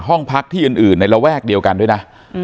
ห้องพักที่อื่นในระแวกเดียวกันด้วยนะ